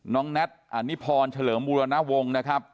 แน็ตอนิพรเฉลิมบูรณวงศ์นะครับ